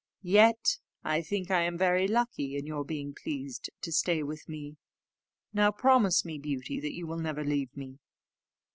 Yet I think I am very lucky in your being pleased to stay with me: now promise me, Beauty, that you will never leave me."